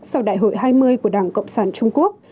sau đại hội hai mươi của đảng cộng sản trung quốc